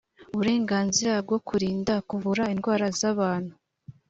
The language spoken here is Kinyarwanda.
uburenganzira bwo kurinda kuvura indwara z abantu